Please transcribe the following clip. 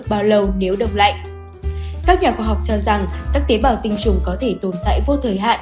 các nhà khoa học cho rằng các tế bào tinh trùng có thể tồn tại vô thời hạn